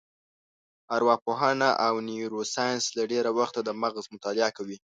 ارواپوهنه او نیورو ساینس له ډېره وخته د مغز مطالعه کوي.